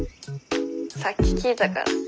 さっき聞いたから。